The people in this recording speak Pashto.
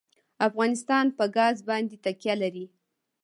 افغانستان په ګاز باندې تکیه لري.